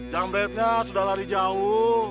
jomretnya sudah lari jauh